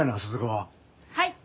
はい。